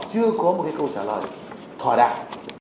chưa có một câu trả lời thỏa đại